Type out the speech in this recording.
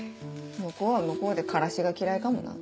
向こうは向こうでカラシが嫌いかもな。